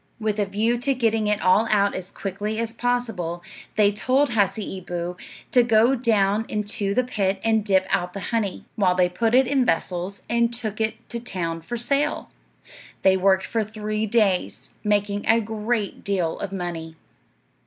With a view to getting it all out as quickly as possible, they told Hasseeboo to go down into the pit and dip out the honey, while they put it in vessels and took it to town for sale. They worked for three days, making a great deal of money.